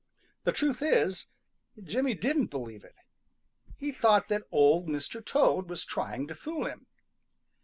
The truth is, Jimmy didn't believe it. He thought that Old Mr. Toad was trying to fool him.